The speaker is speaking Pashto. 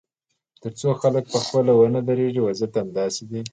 تر څو خلک پخپله ونه درېږي، وضعیت همداسې دی.